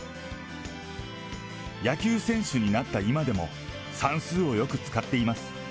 野球選手になった今でも、算数をよく使っています。